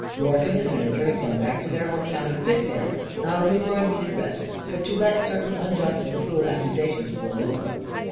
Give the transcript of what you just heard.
Rorke and his manager had gone back to their home town of Pitvale; not only for a needed rest, but to let certain unjust and cruel accusations blow over.